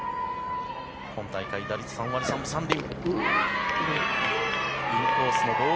今大会は打率３割３分３厘。